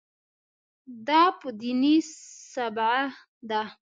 دا په دیني صبغه ده.